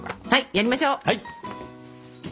やりましょう！